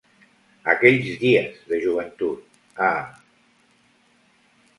Aquells dies de joventut, ah!